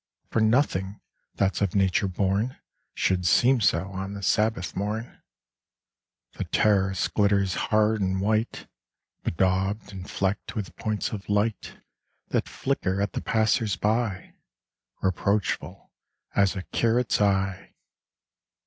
For nothing that's of Nature born Should seem so on the Sabbath morn. The terrace glitters hard and white. Bedaubed and flecked with points of light That flicker at the passers by —' Reproachful as a curate's eye.